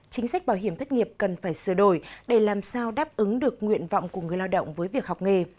chính sách bảo hiểm thất nghiệp cần phải sửa đổi để làm sao đáp ứng được nguyện vọng của người lao động với việc học nghề